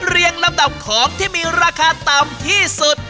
เรียงลำดับของที่มีราคาต่ำที่สุด